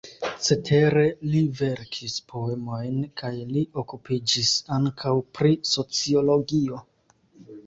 Cetere li verkis poemojn kaj li okupiĝis ankaŭ pri sociologio.